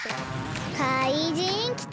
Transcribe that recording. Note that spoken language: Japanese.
かいじんきた！